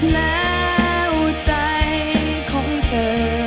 แล้วใจของเธอ